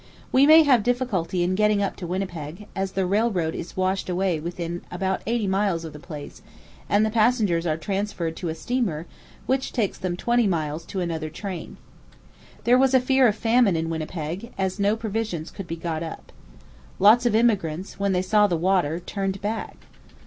We may have difficulty in getting up to Winnipeg, as the railroad is washed away within about eighty miles of the place, and the passengers are transferred to a steamer, which takes them twenty miles to another train. There was a fear of famine in Winnipeg, as no provisions could be got up. Lots of emigrants, when they saw the water, turned back.